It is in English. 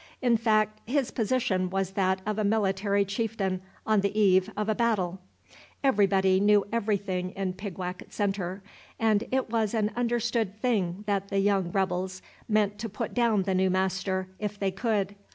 In fact, his position was that of a military chieftain on the eve of a battle. Everybody knew everything in Pigwacket Centre; and it was an understood thing that the young rebels meant to put down the new master, if they could.